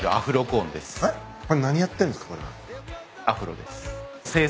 アフロです。